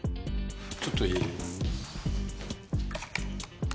ちょっといい？